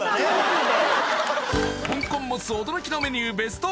香港モス驚きのメニュー